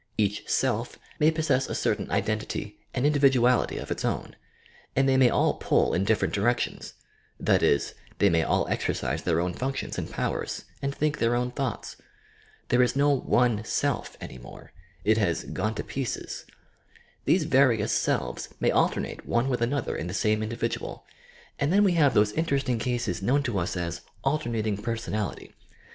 Each self may possess a certain identity and individ uality of its own, and they may all pull in different direc tions,— that is, they may all exercise their own functions and powers, and think their own thoughts. There is no one self any raorc; it has "gone to pieces." These various selves may alternate one with another in the same individual, and then we have those interesting cases known to us as "alternating personality."